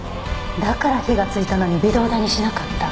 だから火がついたのに微動だにしなかった。